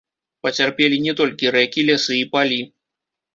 Пацярпелі не толькі рэкі, лясы і палі.